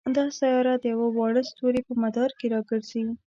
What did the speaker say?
دا سیاره د یوه واړه ستوري په مدار کې را ګرځي.